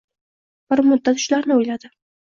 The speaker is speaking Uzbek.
Bir muddat shularni o'yladi.